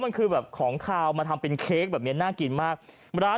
หรือเอาฝั่งขวาไหมซีฟู้ด